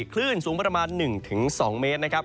คลื่นสูงประมาณ๑๒เมตรนะครับ